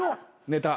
ネタ。